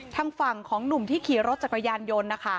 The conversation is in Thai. ทางฝั่งของหนุ่มที่ขี่รถจักรยานยนต์นะคะ